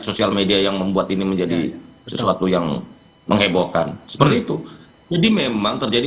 sosial media yang membuat ini menjadi sesuatu yang menghebohkan seperti itu jadi memang terjadi